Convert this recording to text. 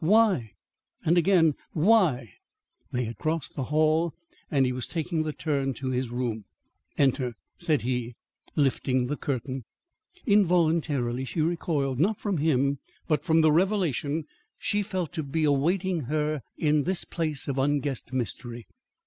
Why? and again, why? They had crossed the hall and he was taking the turn to his room. "Enter," said he, lifting the curtain. Involuntarily she recoiled. Not from him, but from the revelation she felt to be awaiting her in this place of unguessed mystery.